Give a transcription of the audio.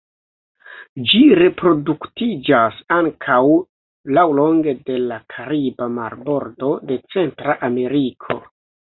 Ĝi reproduktiĝas ankaŭ laŭlonge de la kariba marbordo de Centra Ameriko.